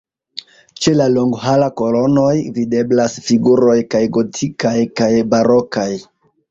Ĉe la longhala kolonoj videblas figuroj kaj gotikaj kaj barokaj.